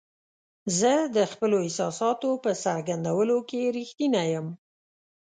زه د خپلو احساساتو په څرګندولو کې رښتینی یم.